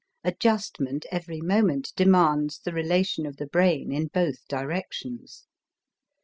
Adjustment every moment demands the relation of the brain in both directions.